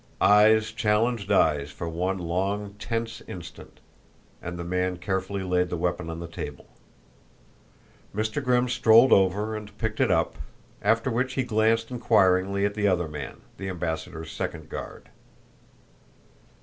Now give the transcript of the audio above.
Eyes challenged eyes for one long tense instant, and the man carefully laid the weapon on the table. Mr. Grimm strolled over and picked it up, after which he glanced inquiringly at the other man the ambassador's second guard.